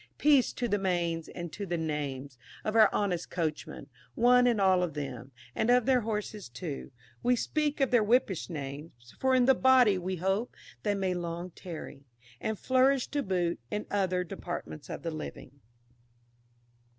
"Peace to the manes and to the names" of our honest coachmen, one and all of them, and of their horses too we speak of their whippish names, for in the body we hope they may long tarry, and flourish to boot, in other departments of the living.